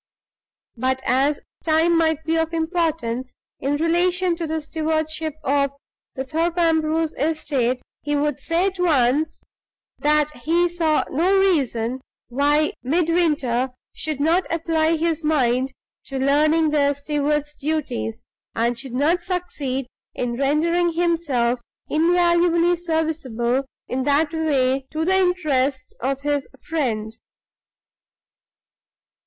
But as time might be of importance, in relation to the stewardship of the Thorpe Ambrose estate, he would say at once that he saw no reason why Midwinter should not apply his mind to learning the steward's duties, and should not succeed in rendering himself invaluably serviceable in that way to the interests of his friend.